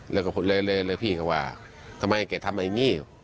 แล้วก็เลยพี่ก็ว่าทำไมเกลียดทำอะไรอย่างนี้